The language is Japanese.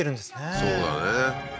そうだね